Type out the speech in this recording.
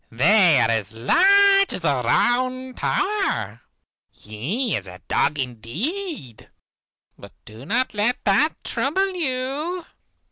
They are as large as the Round Tower. He is a dog indeed, but do not let that trouble you.